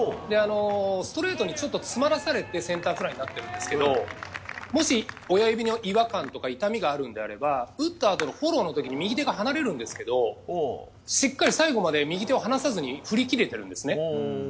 ストレートに詰まらされてセンターフライになったんですがもし親指に違和感や痛みがあるのであれば打ったあとのフォローの時右手が離れるんですけどしっかり最後まで右手を離さずに振り切れてるんですね。